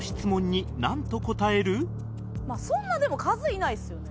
そんなでも数いないですよね。